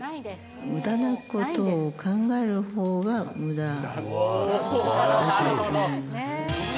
むだなことを考えるほうがむだだと思います。